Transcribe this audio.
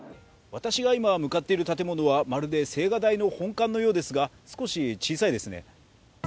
私が今向かっている建物はまるで青瓦台の本館のようですが少し小さいですね。